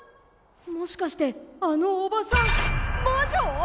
もしかしてあのおばさん魔女？